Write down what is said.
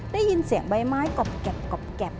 ได้ยินเสียงใบไม้กรอบ